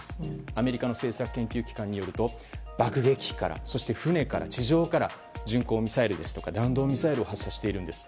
アメリカの政策研究機関によると爆撃機から、船から、地上から巡航ミサイルや弾道ミサイルを発射しているんです。